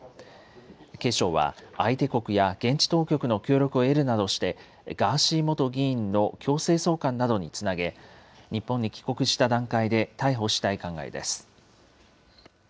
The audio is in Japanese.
警視庁は、相手国や現地当局の協力を得るなどして、ガーシー元議員の強制送還などにつなげ、日本に帰国した段階で逮捕したい考えです。